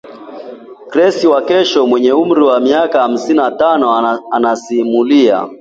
Grace Wakesho mwenye umri wa miaka hamsini na tano anasimulia